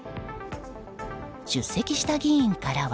出席した議員からは。